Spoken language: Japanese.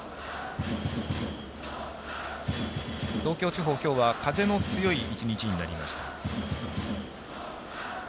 東京地方、今日は風の強い１日になりました。